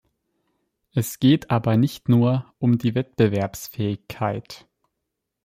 Es geht aber nicht nur um die Wettbewerbsfähigkeit.